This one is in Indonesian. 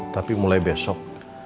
tapi mulai besok